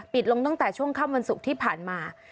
ลงตั้งแต่ช่วงค่ำวันศุกร์ที่ผ่านมา